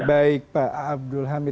baik pak abdul hamid